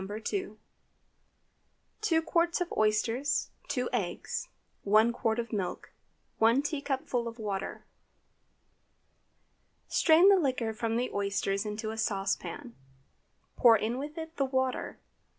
2). 2 qts. of oysters. 2 eggs. 1 qt. of milk. 1 teacupful of water. Strain the liquor from the oysters into a saucepan, pour in with it the water.